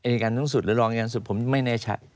นิกานณศุษย์ศลองนิกานศุษย์ไม่แน่ชัด